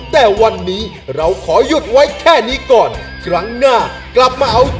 สวัสดีครับ